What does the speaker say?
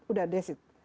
sudah that's it